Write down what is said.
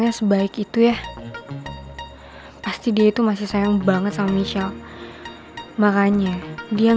mau ngapain lagi sih kamu kesini